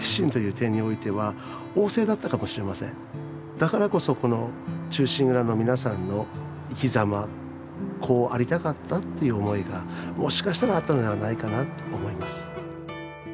だからこそこの「忠臣蔵」の皆さんの生きざまこうありたかったっていう思いがもしかしたらあったのではないかなと思います。